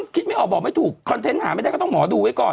ไม่ออกบอกไม่ถูกคอนเทนต์หาไม่ได้ก็ต้องหมอดูไว้ก่อน